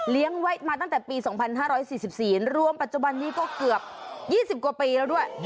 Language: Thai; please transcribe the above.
ไว้มาตั้งแต่ปี๒๕๔๔รวมปัจจุบันนี้ก็เกือบ๒๐กว่าปีแล้วด้วย